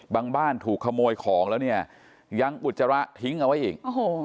บ้านถูกขโมยของแล้วเนี่ยยังอุจจาระทิ้งเอาไว้อีกโอ้โห